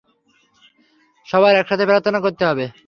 সবার একসাথে প্রার্থনা করতে হবে।